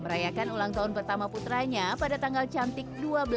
merayakan ulang tahun pertama putranya pada tanggal cantik dua belas dua belas dua ribu dua puluh